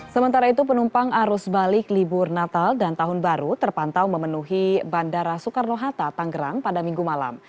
sementara itu penumpang arus balik libur natal dan tahun baru terpantau memenuhi bandara soekarno hatta tanggerang pada minggu malam